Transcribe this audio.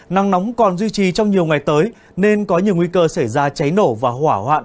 nắng nóng còn duy trì trong nhiều ngày tới nên có nhiều nguy cơ xảy ra cháy nổ và hỏa hoạn